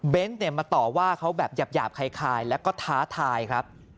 เบนท์เนี่ยมาต่อว่าเขาแบบหยาบคลายแล้วก็ท้าทายครับ